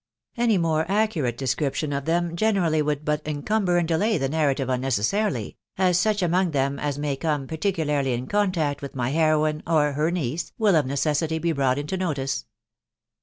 Any mere accurate description of them generally would but encumber and delay the narrative unnecessarily, as such among them as may come particularly in contact with my heroine or her niece will of necessity be brought into notice.